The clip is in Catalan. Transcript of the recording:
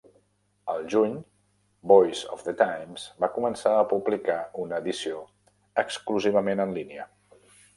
Al juny, "Voice of the Times" va començar a publicar una edició exclusivament en línia.